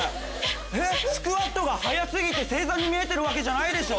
えっスクワットが速すぎて正座に見えてるわけじゃないでしょ？